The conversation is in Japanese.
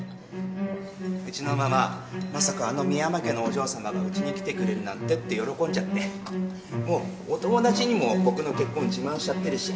うちのママまさかあの深山家のお嬢さまがうちに来てくれるなんてって喜んじゃってもうお友達にも僕の結婚自慢しちゃってるし。